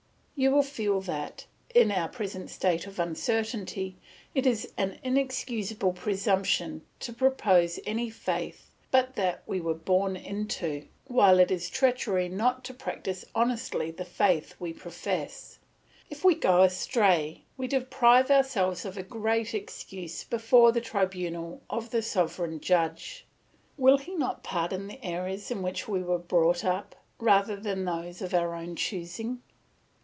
You will feel that, in our present state of uncertainty, it is an inexcusable presumption to profess any faith but that we were born into, while it is treachery not to practise honestly the faith we profess. If we go astray, we deprive ourselves of a great excuse before the tribunal of the sovereign judge. Will he not pardon the errors in which we were brought up, rather than those of our own choosing?